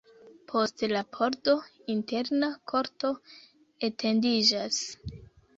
Post la pordo interna korto etendiĝas.